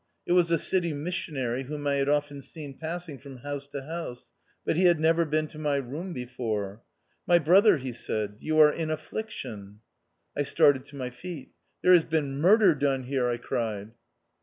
It was a City Missionary whom I had often seen passing from house to house ; but he had never been to my room before. " My brother," he said, " you are in affliction." I started to my feet. " There has been murder done here," I cried. THE OUTCAST.